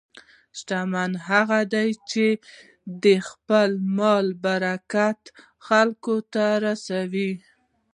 شتمن هغه دی چې د خپل مال برکت خلکو ته رسوي.